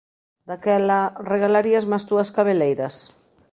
Daquela, regalaríasme as túas cabeleiras?